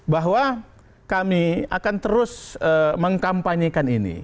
bahwa kami akan terus mengkampanyekan ini